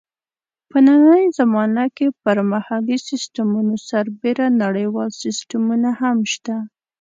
په نننۍ زمانه کې پر محلي سیسټمونو سربېره نړیوال سیسټمونه هم شته.